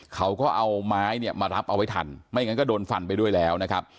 เขาก็เอาไม้เนี่ยมารับเอาไว้ทันไม่งั้นก็โดนฟันไปด้วยแล้วนะครับ